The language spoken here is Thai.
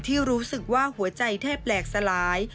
ที่รู้สึกว่าหัวใจแทบแหลกสลาย